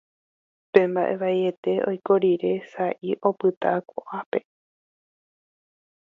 pe mba'e vaiete oiko rire sa'i opyta ko'ápe